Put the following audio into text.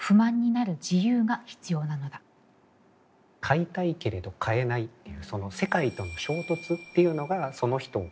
買いたいけれど買えないっていうその世界との衝突っていうのがその人をつくる。